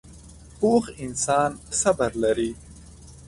پوخ انسان صبر لري